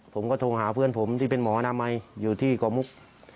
ผมก็โทรหาเพื่อนผมที่เป็นหมอนามัยอยู่ที่เกาะมุก